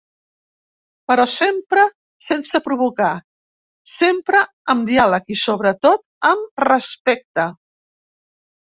Però sempre sense provocar, sempre amb diàleg i, sobretot, amb respecte.